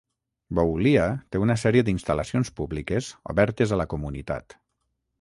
Boulia té una sèrie d'instal·lacions públiques obertes a la comunitat.